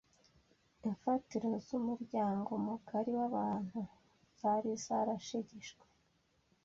Imfatiro z’umuryango mugari w’abantu zari zarashegeshwe